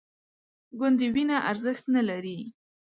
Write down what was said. ګوندې وینه ارزښت نه لري